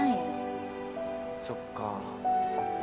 そっか。